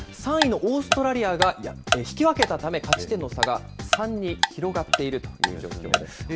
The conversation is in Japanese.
３位のオーストラリアが引き分けたため、勝ち点の差が３に広がっているというところです。